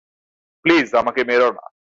Please, আমাকে মেরো না!